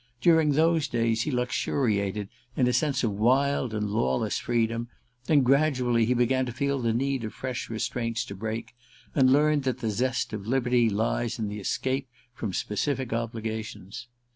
During those days he luxuriated in a sense of wild and lawless freedom; then, gradually, he began to feel the need of fresh restraints to break, and learned that the zest of liberty lies in the escape from specific obligations.